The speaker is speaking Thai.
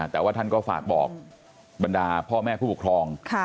แต่ว่าท่านก็ฝากบอกบรรดาพ่อแม่ผู้ปกครอง